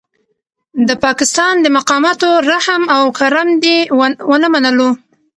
د پاکستان د مقاماتو رحم او کرم دې ونه منلو.